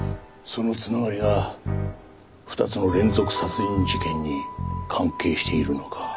その繋がりが２つの連続殺人事件に関係しているのか？